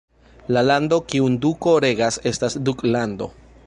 La lando kiun duko regas estas duklando.